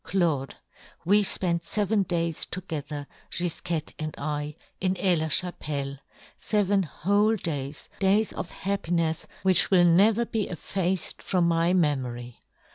" Claude, we fpent feven days to " gether, Gifquette and I, in Aix " la Chapelle, feven whole days, days " of happinefs, which will never be " effaced from my memory.